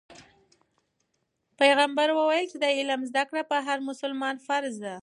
پیغمبر وویل چې د علم زده کړه په هر مسلمان فرض ده.